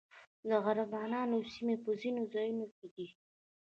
د عربانو سیمې په ځینو ځایونو کې دي